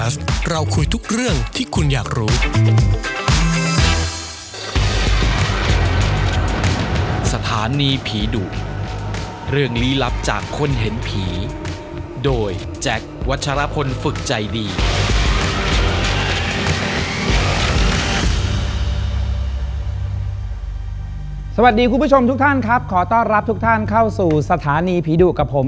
สวัสดีคุณผู้ชมทุกท่านครับขอต้อนรับทุกท่านเข้าสู่สถานีผีดุกับผม